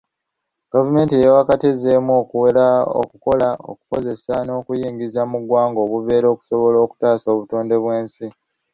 Gavumenti eya wakati ezzeemu okuwera okukola, okukozesa n'okuyingiza muggwanga obuveera, okusobola okutaasa obutonde bw'ensi.